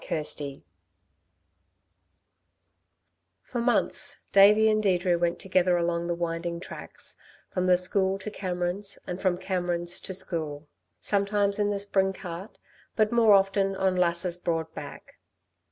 CHAPTER XII For months Davey and Deirdre went together along the winding tracks, from the school to Cameron's and from Cameron's to school, sometimes in the spring cart, but more often on Lass's broad back.